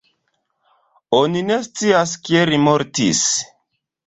Oni ne scias kiel li mortis.